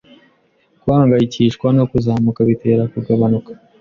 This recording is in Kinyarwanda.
Guhangayikishwa no kuzamuka bitera kugabanuka